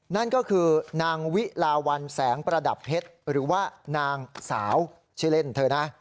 นั่นก็คือนางวิลาวันแสงประดับเพชรหรือว่านางสาวชื่อเล่นเธอนะ